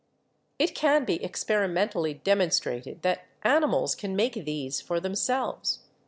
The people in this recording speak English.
"It can be experimentally demonstrated that animals can make these for themselves.